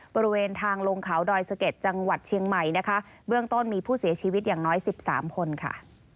บริเวณทางลงเขาดอยสะเก็ดจังหวัดเชียงใหม่นะคะเบื้องต้นมีผู้เสียชีวิตอย่างน้อย๑๓คนค่ะ